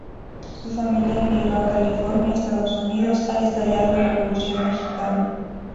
Su familia emigró a California, Estados Unidos, al estallar la revolución mexicana.